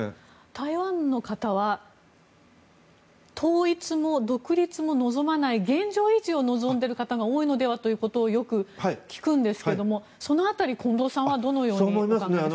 台湾の方は統一も独立も望まない現状維持を望んでいる方が多いのではということをよく聞くんですけどもその辺り、近藤さんはどのようにお考えですか。